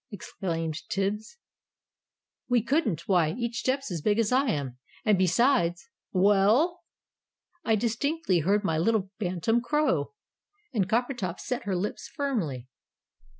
exclaimed Tibbs. "We couldn't, why each step's as big as I am. And besides " "Well?" "I distinctly heard my little bantam crow!" and Coppertop set her lips firmly.